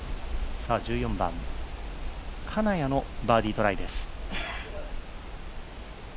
１４番、金谷のバーディートライです。